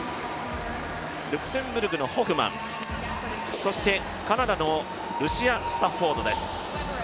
ルクセンブルクのホフマン、そしてカナダのスタッフォードです。